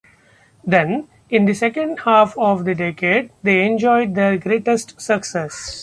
Then, in the second half of the decade, they enjoyed their greatest success.